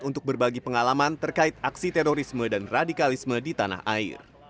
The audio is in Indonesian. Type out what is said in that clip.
untuk berbagi pengalaman terkait aksi terorisme dan radikalisme di tanah air